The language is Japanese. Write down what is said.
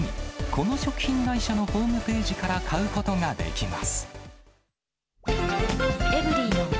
この食品会社のホームページから買うことができます。